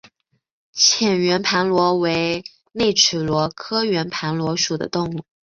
浅圆盘螺为内齿螺科圆盘螺属的动物。